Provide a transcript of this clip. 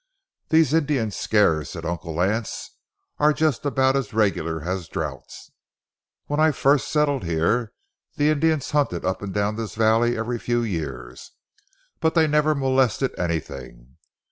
"These Indian scares," said Uncle Lance, "are just about as regular as drouths. When I first settled here, the Indians hunted up and down this valley every few years, but they never molested anything.